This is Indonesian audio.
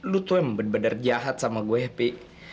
lo tuh yang bener bener jahat sama gue ya pi